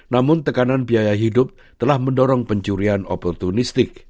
namun tekanan biaya hidup telah mendorong pencurian oportunistik